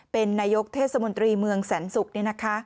เป็นนายกเทศมนตรีเมืองแสนสุข